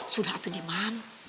sudah tuh diman